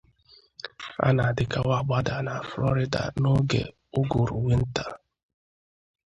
Ha na-adịkawa agbada na Florida n’oge ụgụrụ winta.